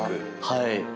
はい。